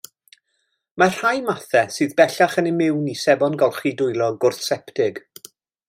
Mae rhai mathau sydd bellach yn imiwn i sebon golchi dwylo gwrthseptig.